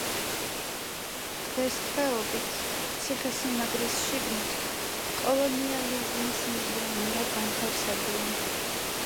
დღესდღეობით ციხესიმაგრის შიგნით კოლონიალიზმის მუზეუმია განთავსებული.